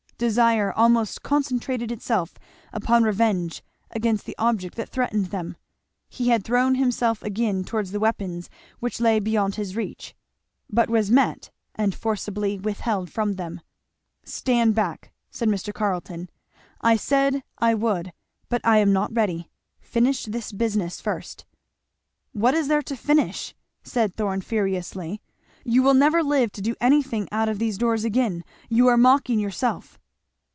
Desire almost concentrated itself upon revenge against the object that threatened them. He had thrown himself again towards the weapons which lay beyond his reach, but was met and forcibly withheld from them. "Stand back!" said Mr. Carleton. "I said I would, but I am not ready; finish this business first." "What is there to finish?" said Thorn furiously; "you will never live to do anything out of these doors again you are mocking yourself."